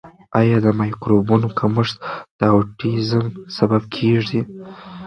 آیا د مایکروبونو کمښت د اوټیزم سبب کیږي؟